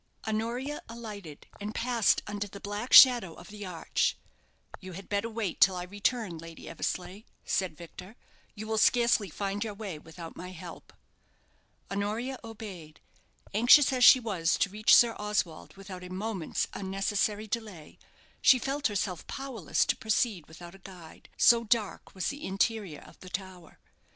Honoria alighted, and passed under the black shadow of the arch. "You had better wait till I return, Lady Eversleigh," said Victor. "You will scarcely find your way without my help." Honoria obeyed. Anxious as she was to reach Sir Oswald without a moment's unnecessary delay, she felt herself powerless to proceed without a guide so dark was the interior of the tower.